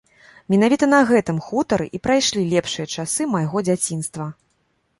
Менавіта на гэтым хутары і прайшлі лепшыя часы майго дзяцінства.